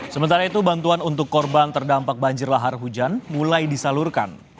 sementara itu bantuan untuk korban terdampak banjir lahar hujan mulai disalurkan